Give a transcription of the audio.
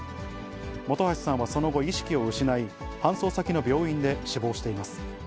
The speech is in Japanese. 本橋さんはその後、意識を失い、搬送先の病院で死亡しています。